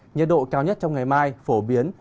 nhiệt độ cao nhất trong ngày mai phổ biến